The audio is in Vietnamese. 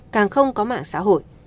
càng không có mạng xã hội